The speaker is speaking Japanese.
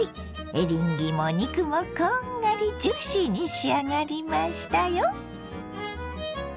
エリンギも肉もこんがりジューシーに仕上がりましたよ。